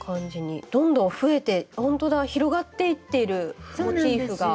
どんどん増えてほんとだ広がっていっているモチーフが。